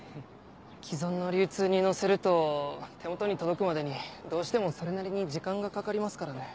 既存の流通に乗せると手元に届くまでにどうしてもそれなりに時間がかかりますからね。